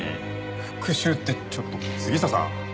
復讐ってちょっと杉下さん！